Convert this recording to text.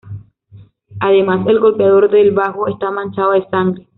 Además, el golpeador del bajo está manchado de sangre.